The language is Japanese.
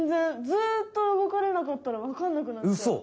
ずっと動かれなかったらわかんなくなっちゃう。